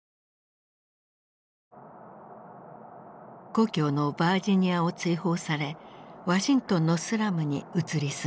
故郷のバージニアを追放されワシントンのスラムに移り住んだ。